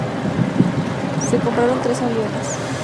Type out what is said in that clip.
Se compraron tres aviones.